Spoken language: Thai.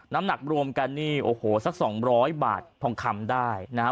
น้ำหนักรวมกันนี่โอ้โหสักสองร้อยบาททองคำได้นะฮะ